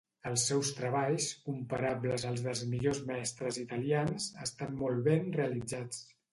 Els seus treballs, comparables als dels millors mestres italians, estan molt ben realitzats.